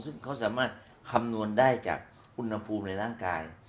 ซึ่งเขาสามารถคำนวณได้จากอุณหภูมิในร่างกาย